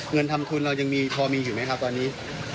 เงินทำทุนเรายังมีพอมีอยู่ไหมครับตอนนี้